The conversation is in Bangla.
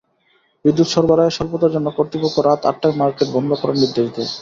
বিদ্যুৎ সরবরাহের স্বল্পতার জন্য কর্তৃপক্ষ রাত আটটায় মার্কেট বন্ধ করার নির্দেশ দেয়।